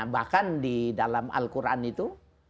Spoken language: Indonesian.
bahkan di dalam al quran itu